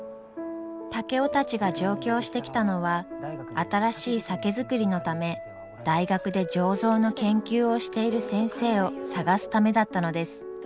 竹雄たちが上京してきたのは新しい酒造りのため大学で醸造の研究をしている先生を探すためだったのです。